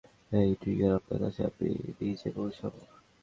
আর এই ট্রিগার আপনার কাছে আমি নিজে পৌঁছাবো।